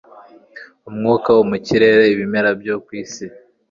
Umwuka wo mu kirere ibimera byo ku isi